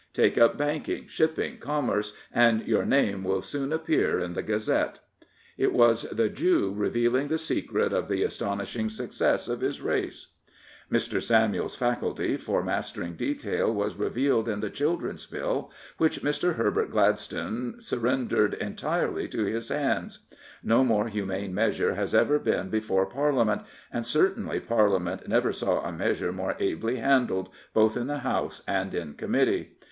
Take up banking, shipping, commerce, and your name will soon appear in the Gazette,*' It was the Jew revealing the secret of the astonishing success of his race. Mr. Samuel's faculty for mastering detail was revealed in the Children's Bill, which Mr. Herbert Gladstone surrendered entirely to his hands. No more humane measure has ever been before Parliament, and certainly Parliament never saw a measure more ably handled, both in the House and in Committee.